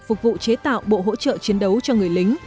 phục vụ chế tạo bộ hỗ trợ chiến đấu cho người lính